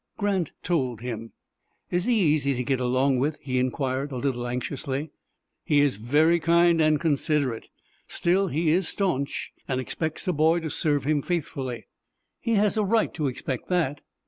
Grant told him. "Is he easy to get along with?" he inquired, a little anxiously. "He is very kind and considerate. Still he is stanch, and expects a boy to serve him faithfully." "He has a right to expect that."